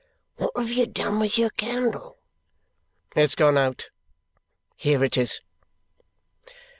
"What have you done with your candle?" "It's gone out. Here it is."